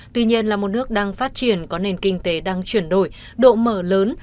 tuy nhiên là một nước đang phát triển có nền kinh tế đang chuyển đổi độ mở lớn